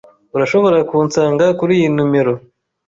Urashobora kunsanga kuriyi numero.